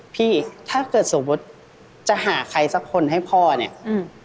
พี่ถ้าเกิดสมมุติจะหาใครสักคนให้พ่อเนี่ยอืม